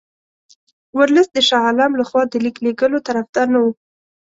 ورلسټ د شاه عالم له خوا د لیک لېږلو طرفدار نه وو.